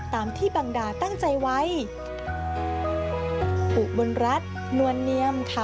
ตามที่บังดาตั้งใจไว้